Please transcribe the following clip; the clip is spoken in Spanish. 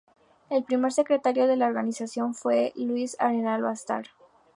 El primer secretario de la organización fue Luis Arenal Bastar.